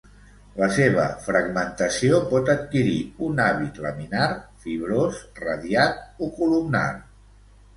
La seva fragmentació pot adquirir un hàbit laminar, fibrós radiat o columnar.